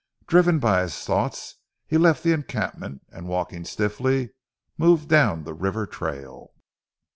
Driven by his thoughts, he left the encampment, and, walking stiffly, moved down the river trail.